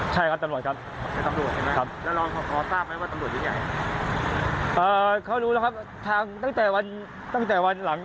แล้วแฟนเราพบกันมานานยัง